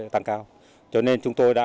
tăng cao cho nên chúng tôi đã